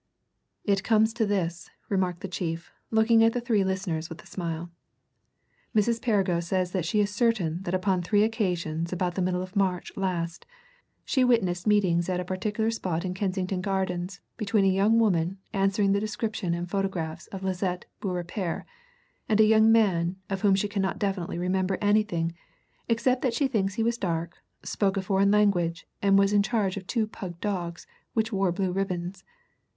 "It comes to this," remarked the chief, looking at the three listeners with a smile. "Mrs. Perrigo says that she is certain that upon three occasions about the middle of March last she witnessed meetings at a particular spot in Kensington Gardens between a young woman answering the description and photographs of Lisette Beaurepaire and a young man of whom she cannot definitely remember anything except that she thinks he was dark, spoke a foreign language, and was in charge of two pug dogs which wore blue ribbons.